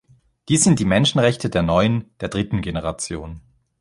Dies sind die Menschenrechte der neuen, der dritten Generation.